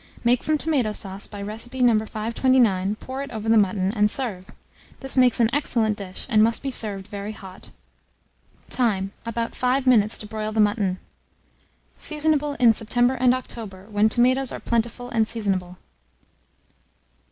Make some tomato sauce by recipe No. 529, pour it over the mutton, and serve. This makes an excellent dish, and must be served very hot. Time. About 5 minutes to broil the mutton. Seasonable in September and October, when tomatoes are plentiful and seasonable.